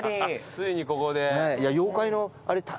ついにここで。